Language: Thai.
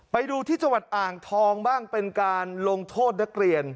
ไปดูที่จังหวัดอ่างทองบ้างเป็นการลงโทษนักเรียน